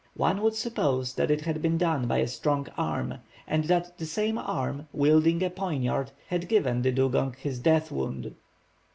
One would suppose that it had been done by a strong arm, and that that same arm, wielding a poignard, had given the dugong his death wound."